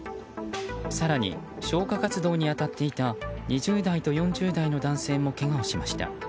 更に、消火活動に当たっていた２０代と４０代の男性もけがをしました。